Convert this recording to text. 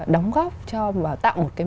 đóng góp cho và tạo một cái